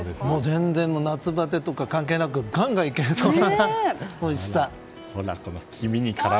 全然、夏バテとか関係なくガンガンいけそうなおいしさ。